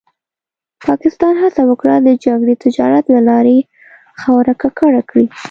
پاکستان هڅه وکړه د جګړې تجارت له لارې خاوره ککړه کړي.